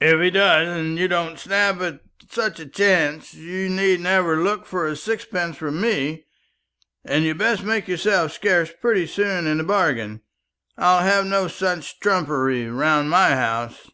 "If he does, and you don't snap at such a chance, you need never look for a sixpence from me; and you'd best make yourself scarce pretty soon into the bargain. I'll have no such trumpery about my house."